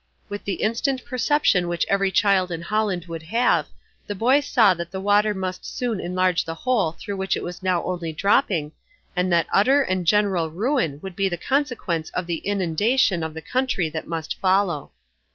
With the instant perception which every child in Holland would have, the boy saw that the water must soon enlarge the hole through which it was now only dropping, and that utter and general ruin would be the consequence of the inundation of the country that must follow.